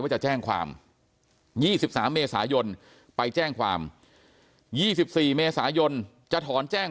จะแจ้งความ๒๓เมษายนไปแจ้งความ๒๔เมษายนจะถอนแจ้ง